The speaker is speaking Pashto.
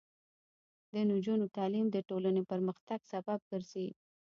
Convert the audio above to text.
د نجونو تعلیم د ټولنې پرمختګ سبب ګرځي.